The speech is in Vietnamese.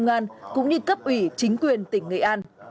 công an cũng như cấp ủy chính quyền tỉnh nghệ an